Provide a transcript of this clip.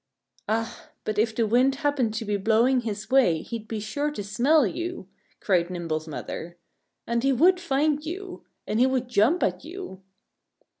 "Ah! But if the wind happened to be blowing his way he'd be sure to smell you," cried Nimble's mother. "And he would find you. And he would jump at you."